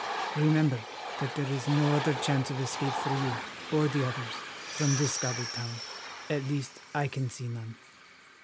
Remember that there is no other chance of escape for you, or the others, from this guarded town—at least I can see none."